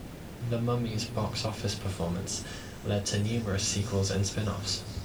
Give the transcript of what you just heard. "The Mummy"s box office performance led to numerous sequels and spinoffs.